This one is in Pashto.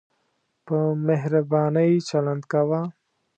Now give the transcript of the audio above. په مهربانۍ چلند کاوه.